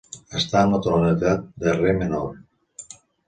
Està en la tonalitat de re menor.